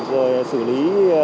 rồi xử lý